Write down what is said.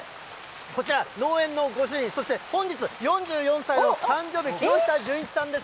こちら、農園のご主人、そして、本日４４歳の誕生日、木下順一さんです。